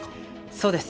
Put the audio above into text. そうです。